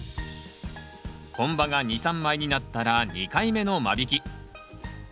本葉が２３枚になったら２回目の間引き。